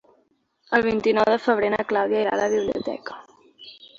El vint-i-nou de febrer na Clàudia irà a la biblioteca.